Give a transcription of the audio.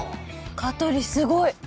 香取すごい！